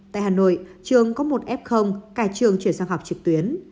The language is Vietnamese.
tại hà nội trường có một f cả trường chuyển sang học trực tuyến